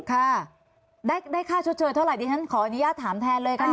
ค่ะได้ค่าชดเชยเท่าไหดิฉันขออนุญาตถามแทนเลยค่ะ